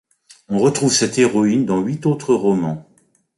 On retrouve cette héroïne dans huit autres romans.